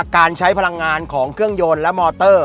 การใช้พลังงานของเครื่องยนต์และมอเตอร์